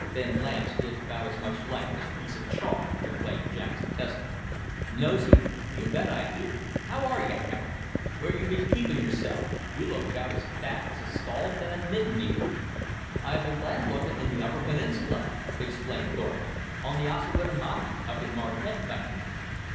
"Them lamps gives 'bout as much light as a piece of chalk," complained Jackson testily. "Knows you? You bet I do! How are you, Harry? Where you been keepin' yourself? You look 'bout as fat as a stall fed knittin' needle." "I've been landlooking in the upper peninsula," explained Thorpe, "on the Ossawinamakee, up in the Marquette country."